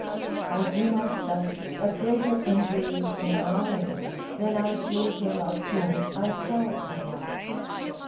I do myself a greater injury in lying than I do him of whom I tell a lie.